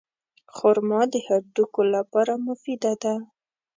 خرما د هډوکو لپاره مفیده ده.